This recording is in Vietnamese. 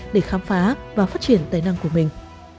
để khám phá và phát triển tài năng của mình